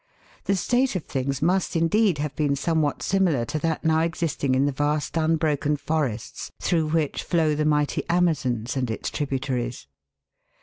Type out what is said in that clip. The state of things must, indeed, have been somewhat similar to that now existing in the vast un broken forests through which flow the mighty Amazons and its tributaries.